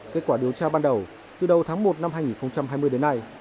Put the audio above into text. kết quả điều tra ban đầu từ đầu tháng một năm hai nghìn hai mươi đến nay